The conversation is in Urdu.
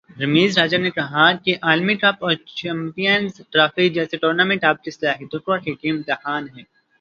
رمیز راجہ نے کہا کہ عالمی کپ اور چیمپئنز ٹرافی جیسے ٹورنامنٹ آپ کی صلاحیتوں کا حقیقی امتحان ہیں